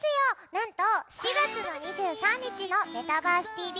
なんと４月の２３日の『メタバースＴＶ！！』